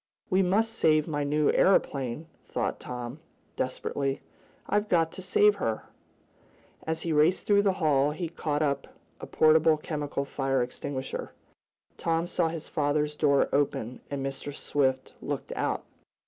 "We must save my new aeroplane!" thought Tom, desperately. "I've got to save her!" As he raced through the hall he caught up a portable chemical fire extinguisher. Tom saw his father's door open, and Mr. Swift looked out.